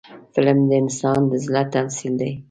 فلم د انسان د زړه تمثیل دی